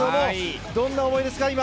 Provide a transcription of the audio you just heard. どんな思いですか？